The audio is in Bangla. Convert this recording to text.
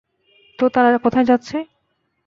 তো, তারা কোথায় যাচ্ছে?